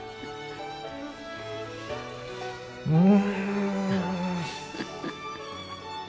うん！